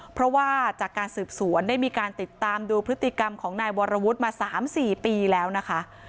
เพราะว่าจากการสืบสวนได้มีการติดตามดูพฤติกรรมของนายวรวุฒิมา๓๔ปีแล้วนะคะ